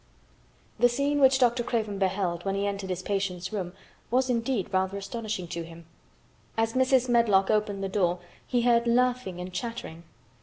The scene which Dr. Craven beheld when he entered his patient's room was indeed rather astonishing to him. As Mrs. Medlock opened the door he heard laughing and chattering.